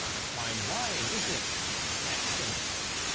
" Fine wine ! isn't it ?"" Excellent